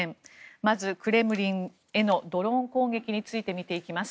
まず、クレムリンへのドローン攻撃について見ていきます。